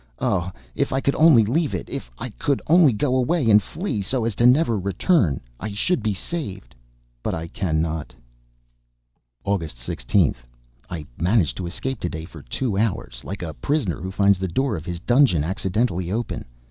Oh! If I could only leave it, if I could only go away and flee, so as never to return, I should be saved; but I cannot. August 16th. I managed to escape to day for two hours, like a prisoner who finds the door of his dungeon accidentally open.